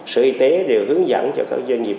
sở y tế đều hướng dẫn cho các doanh nghiệp